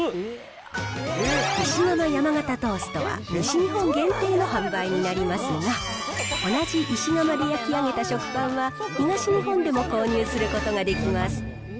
石窯山型トーストは西日本限定の販売になりますが、同じ石窯で焼き上げた食パンは、東日本でも購入することができます。